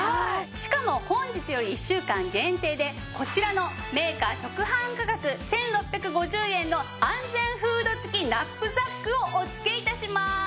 しかも本日より１週間限定でこちらのメーカー直販価格１６５０円の安全フード付きナップザックをお付け致します。